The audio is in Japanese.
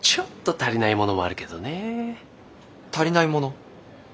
足りないもの？